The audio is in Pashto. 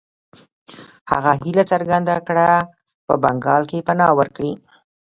هغه هیله څرګنده کړه په بنګال کې پناه ورکړي.